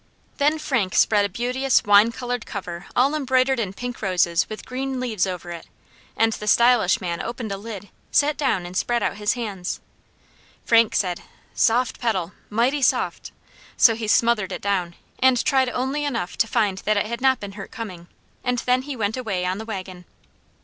Then Frank spread a beauteous wine coloured cover all embroidered in pink roses with green leaves over it, and the stylish man opened a lid, sat down and spread out his hands. Frank said: "Soft pedal! Mighty soft!" So he smothered it down, and tried only enough to find that it had not been hurt coming, and then he went away on the wagon.